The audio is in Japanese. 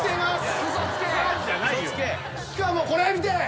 しかもこれ見て。